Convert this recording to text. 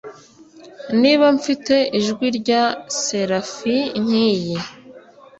niba mfite ijwi rya serafi nkiyi